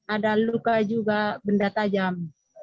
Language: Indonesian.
ada luka juga benda tajam